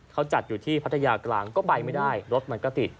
เขาจัดอยู่ที่พัทยากลางก็ไปไม่ได้รถมันก็ติด